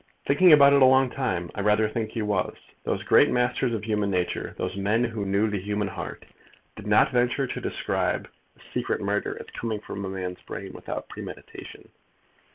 "Thinking about it a long time! I rather think he was. Those great masters of human nature, those men who knew the human heart, did not venture to describe a secret murder as coming from a man's brain without premeditation?"